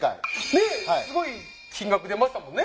ねっすごい金額出ましたもんね。